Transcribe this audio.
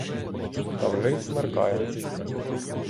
Та вже й смеркає.